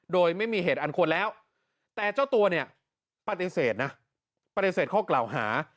โดยไม่มีเหตุอันควรแล้วแต่เจ้าตัวเนี่ยปฏิเสธนะปฏิเสธข้อกล่าวหา